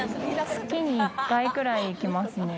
月に１回くらい来ますね。